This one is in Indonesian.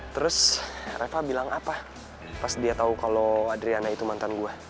terus reva bilang apa pas dia tahu kalau adriana itu mantan gua